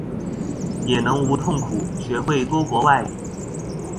也能無痛苦學會多國外語